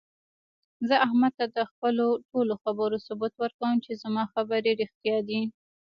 زه احمد ته د خپلو ټولو خبرو ثبوت ورکوم، چې زما خبرې رښتیا دي.